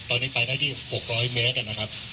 ตอนนี้ไปได้ที่๖๐๐เมตรนะครับ